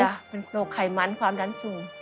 เป็นโรคไขมันความดันสูง